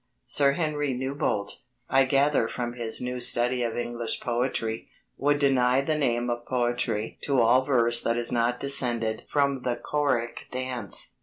Sir Henry Newbolt, I gather from his New Study of English Poetry, would deny the name of poetry to all verse that is not descended from the choric dance.